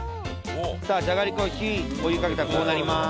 さあじゃがりこお湯かけたらこうなります。